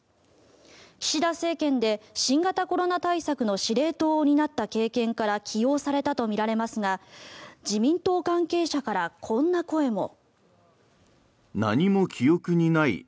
岸田政権で新型コロナ対策の司令塔を担った経験から起用されたとみられますが自民党関係者からこんな声も。